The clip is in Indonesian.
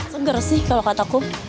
segar sih kalau kata aku